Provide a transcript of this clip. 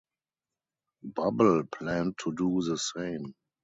Bubble planned to do the same.